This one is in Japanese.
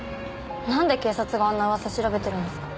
なんで警察があんな噂調べてるんですか？